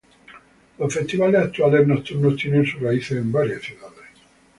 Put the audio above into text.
Los festivales actuales nocturnos tienen sus raíces en varias ciudades.